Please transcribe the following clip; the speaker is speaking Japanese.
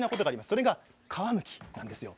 それが皮むきなんですよ。